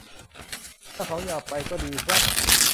ถ้าเขาอยากไปก็ดีครับ